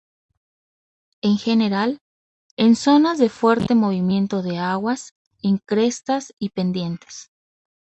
En general, en zonas de fuerte movimiento de agua, en crestas y pendientes.